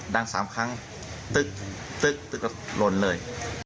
ดั่งสามครั้งตึกตึกตึกก็โหลนเลย